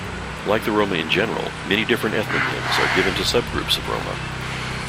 Like the Roma in general, many different ethnonyms are given to subgroups of Roma.